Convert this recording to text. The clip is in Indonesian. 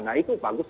nah itu bagus